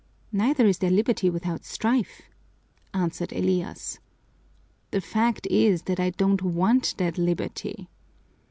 "Neither is there liberty without strife!" answered Elias. "The fact is that I don't want that liberty!"